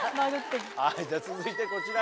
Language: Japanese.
じゃ続いてこちら。